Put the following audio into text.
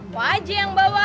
pok aja yang bawa